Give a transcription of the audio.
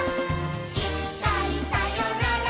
「いっかいさよなら